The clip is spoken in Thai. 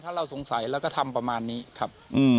ถ้าเราสงสัยเราก็ทำประมาณนี้ครับ